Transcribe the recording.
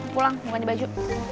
pulang mau ganti baju